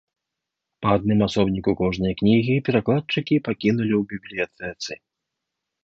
Па адным асобніку кожнай кнігі перакладчыкі пакінулі ў бібліятэцы.